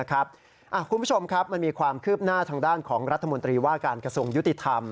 คุณผู้ชมครับมันมีความคืบหน้าทางด้านของรัฐมนตรีว่าการกระทรวงยุติธรรม